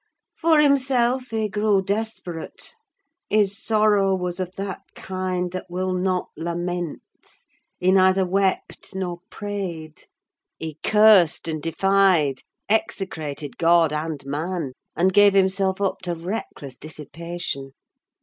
For himself, he grew desperate: his sorrow was of that kind that will not lament. He neither wept nor prayed; he cursed and defied: execrated God and man, and gave himself up to reckless dissipation.